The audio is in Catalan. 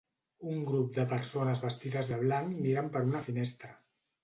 Un grup de persones vestides de blanc miren per una finestra.